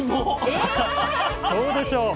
え⁉そうでしょう！